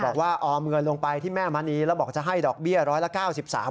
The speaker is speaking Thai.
บอกว่าออมเงินลงไปที่แม่มะนีแล้วบอกจะให้ดอกเบี้ย๑๙๓บาท